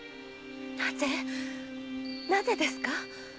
なぜなぜですか？